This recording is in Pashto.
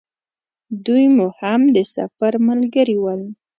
دوی مو هم د سفر ملګري ول.